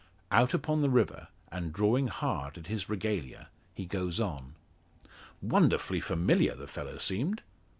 Out upon the river, and drawing hard at his Regalia, he goes on: "Wonderfully familiar the fellow seemed!